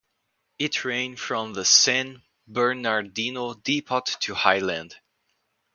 It ran from the San Bernardino Depot to Highland.